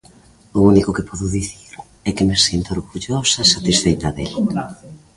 O único que podo dicir é que me sinto orgullosa e satisfeita del.